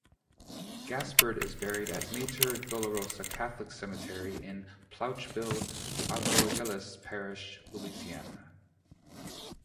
Gaspard is buried at Mater Dolorosa Catholic Cemetery, in Plaucheville, Avoyelles Parish, Louisiana.